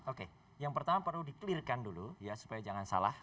oke yang pertama perlu dikelirkan dulu ya supaya jangan salah